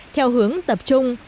theo hướng tập trung